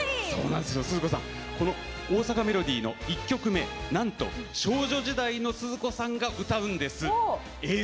スズ子さん「大阪メロディー」の１曲目なんと少女時代のスズ子さんが歌うんです。